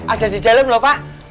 ada di dalam lho pak